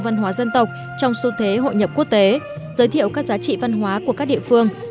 văn hóa dân tộc trong xu thế hội nhập quốc tế giới thiệu các giá trị văn hóa của các địa phương